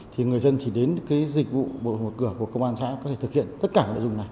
thì người dân chỉ đến cái dịch vụ bộ một cửa của công an xã có thể thực hiện tất cả các dịch vụ này